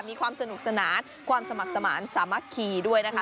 มีความสนุกสนานความสมัครสมาธิสามัคคีด้วยนะคะ